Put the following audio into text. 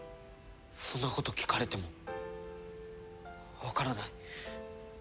そんなこと聞かれてもわからない。